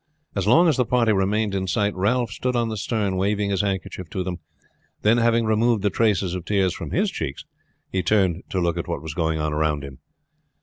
As long as the party remained in sight Ralph stood on the stern waving his handkerchief to them; then, having removed the traces of tears from his cheeks, he turned to look at what was going on around him.